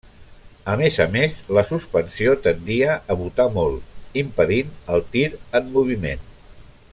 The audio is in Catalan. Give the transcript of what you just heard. A més a més, la suspensió tendia a botar molt, impedint el tir en moviment.